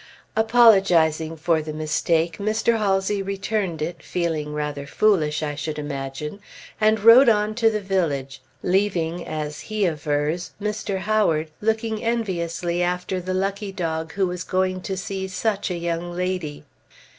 Apologizing for the mistake, Mr. Halsey returned it, feeling rather foolish, I should imagine, and rode on to the village, leaving, as he avers, Mr. Howard looking enviously after the lucky dog who was going to see such a young lady.